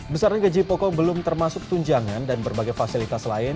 besaran gaji pokok belum termasuk tunjangan dan berbagai fasilitas lain